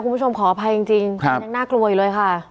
คุณผู้ชมขออภัยจริงจริงครับน่ากลวยเลยค่ะ